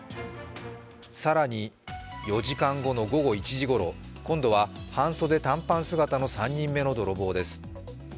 更に、４時間後の午後１時ごろ、今度は半袖短パン姿の３人目の泥棒です。